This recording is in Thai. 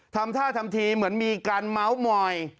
ทำท่าทำทีเหมือนมีการเมาส์มอย